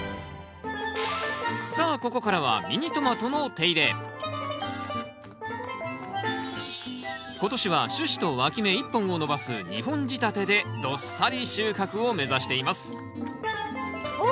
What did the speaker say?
さあここからは今年は主枝とわき芽１本を伸ばす２本仕立てでどっさり収穫を目指していますお！